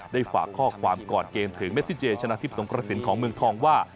ได้ฝากข้อความก่อนเกมถึงเมซิเจชนะทิพย์สงกระสินของเมืองทองว่า